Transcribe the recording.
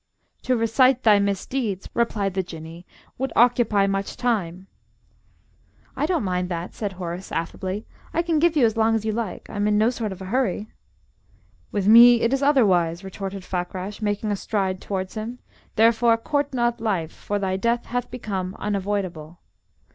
"To recite thy misdeeds," replied the Jinnee, "would occupy much time." "I don't mind that," said Horace, affably. "I can give you as long as you like. I'm in no sort of a hurry." "With me it is otherwise," retorted Fakrash, making a stride towards him. "Therefore court not life, for thy death hath become unavoidable.'